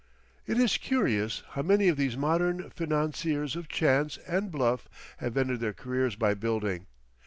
It is curious how many of these modern financiers of chance and bluff have ended their careers by building.